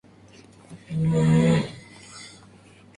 Este articulo fue notado más allá de Francia.